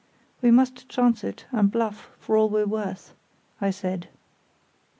"We must chance it, and bluff for all we're worth," I said.